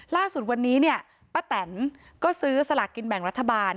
ล่าสุดวันนี้เนี่ยป้าแตนก็ซื้อสลากกินแบ่งรัฐบาล